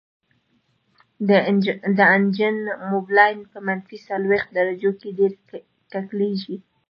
د انجن موبلاین په منفي څلوېښت درجو کې ډیر کلکیږي